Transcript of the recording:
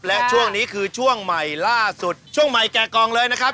และช่วงนี้คือช่วงใหม่ล่าสุดช่วงใหม่แก่กองเลยนะครับ